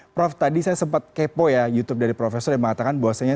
prof tadi saya sempat kepo ya youtube dari profesor yang mengatakan bahwasanya